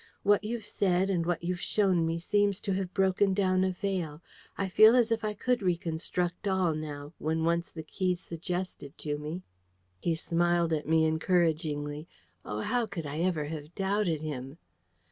What you've said and what you've shown me seems to have broken down a veil. I feel as if I could reconstruct all now, when once the key's suggested to me." He smiled at me encouragingly. Oh, how could I ever have doubted him?